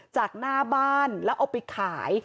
จากหน้าบ้านแล้วเอาไปขาย